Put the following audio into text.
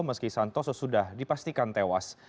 meski santoso sudah dipastikan tewas